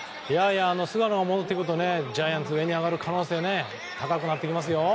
菅野が戻ってくるとジャイアンツが上に上がる可能性高くなってきますよ！